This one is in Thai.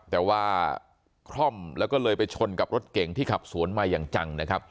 แต่ว่าคล่อมแล้วก็เลยไปชนกับรถเก่งที่ขับสวนมาอย่างจังนะครับ